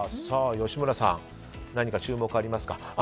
吉村さん何か注目ありますか？